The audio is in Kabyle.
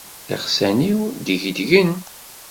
Iɣsan-iw ddegdgen.